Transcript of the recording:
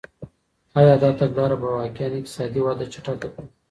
ایا دا تګلاره به واقعاً اقتصادي وده چټکه کړي؟